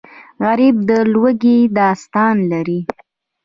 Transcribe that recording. غریب د لوږې داستان لري